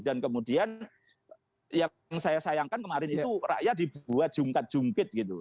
dan kemudian yang saya sayangkan kemarin itu rakyat dibuat jungkat jungkit gitu